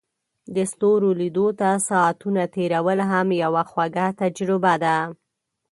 د ستورو لیدو ته ساعتونه تیرول هم یوه خوږه تجربه ده.